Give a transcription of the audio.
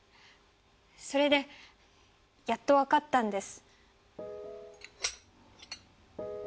それでやっとわかったんです。